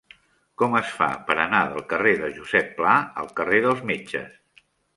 Com es fa per anar del carrer de Josep Pla al carrer dels Metges?